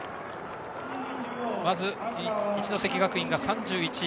一関学院が３１位。